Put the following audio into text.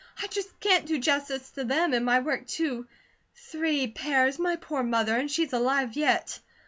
I just can't do justice to them and my work, too. Three pairs! My poor mother! And she's alive yet!